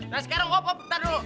nah sekarang kok betul dulu